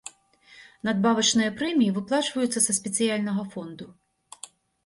Надбавачныя прэміі выплачваюцца са спецыяльнага фонду.